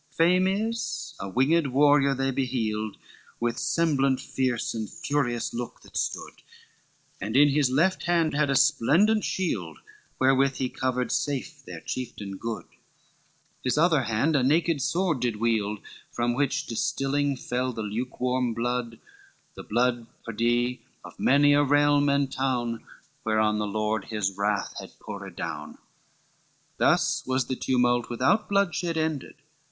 LXXXIV Fame as a winged warrior they beheld, With semblant fierce and furious look that stood, And in his left hand had a splendent shield Wherewith he covered safe their chieftain good, His other hand a naked sword did wield, From which distilling fell the lukewarm blood, The blood pardie of many a realm and town, Whereon the Lord his wrath had poured down. LXXXV Thus was the tumult, without bloodshed, ended.